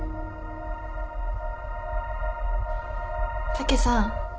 武さん。